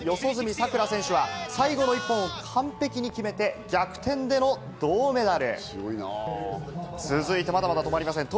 さくら選手は最後の１本を完璧に決めて逆転での銅メダル。